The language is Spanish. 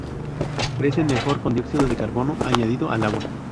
Crecen mejor con dióxido de carbono añadido al agua.